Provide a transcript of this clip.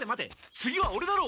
次はオレだろう！